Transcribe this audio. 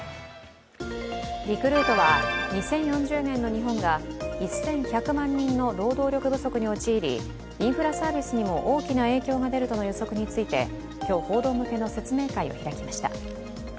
リクルートは２０４０年の日本が１１００万人の労働力不足に陥りインフラサービスにも大きな影響が出るとの予測について今日、報道向けの説明会を開きました。